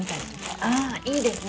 ああいいですね。